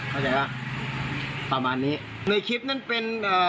เข้าใจว่าประมาณนี้ในคลิปนั้นเป็นเอ่อ